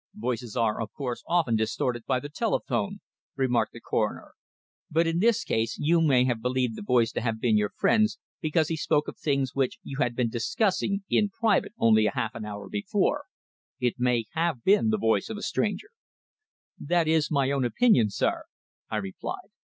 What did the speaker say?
"Voices are, of course, often distorted by the telephone," remarked the coroner. "But in this case you may have believed the voice to have been your friend's because he spoke of things which you had been discussing in private only half an hour before. It may have been the voice of a stranger." "That is my own opinion, sir," I replied.